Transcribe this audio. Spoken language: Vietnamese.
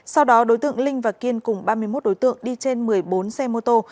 sau đó đối tượng linh và kiên cùng ba mươi một đối tượng đi trên một mươi bốn xe mô tô